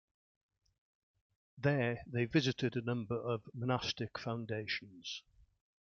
There they visited a number of monastic foundations.